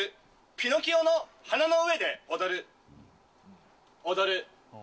ピノキオの鼻の上で踊る、踊る。